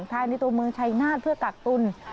ภายในตัวเมืองชัยนาธเพื่อกักตุล